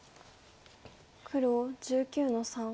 黒１９の三。